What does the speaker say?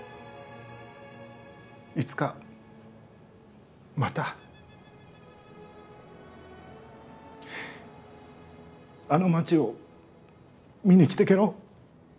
いつかまたあの町を見に来てけろ。